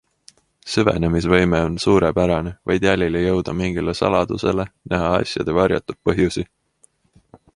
Süvenemisvõime on suurepärane, võid jälile jõuda mingile saladusele, näha asjade varjatud põhjusi.